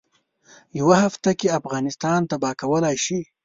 یوه هفته کې افغانستان تباه کولای شي.